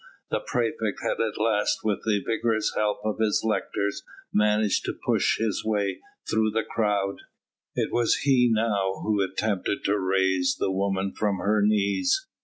The praefect had at last with the vigorous help of his lictors managed to push his way through the crowd. It was he now who attempted to raise the woman from her knees.